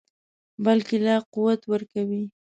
بلکې لا قوت ورکوي.